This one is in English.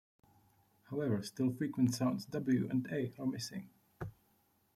However still frequent sounds "w" and "a" are missing.